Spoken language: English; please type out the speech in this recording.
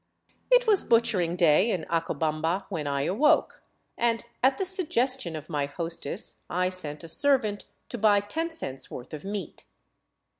It was butchering day in Acobamba when I awoke, and at the sug gestion of my hostess I sent a servant to buy ten cents' worth of meat.